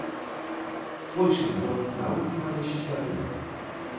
Foi senador na última lexislatura.